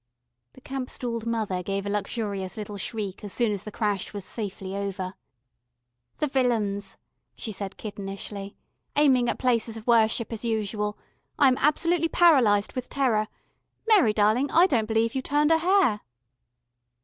The campstooled mother gave a luxurious little shriek as soon as the crash was safely over. "The villains," she said kittenishly. "Aiming at places of worship as usual. I am absolutely paralysed with terror. Mary, darling, I don't believe you turned a hair."